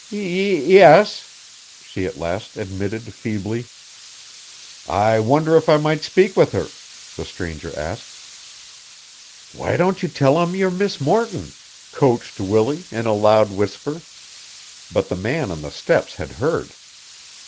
"Y e s," she at last admitted feebly. "I wonder if I might speak with her," the stranger asked. "Why don't you tell him you're Miss Morton," coached Willie, in a loud whisper. But the man on the steps had heard.